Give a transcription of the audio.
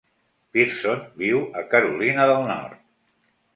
Pearson viu a Carolina del Nord.